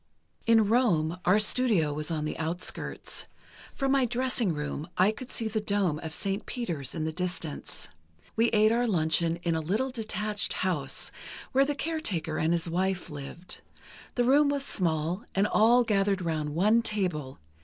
"In Rome, our studio was on the outskirts. From my dressing room, I could see the dome of St. Peter's in the distance. We ate our luncheon in a little detached house, where the caretaker and his wife lived. The room was small, and all gathered round one table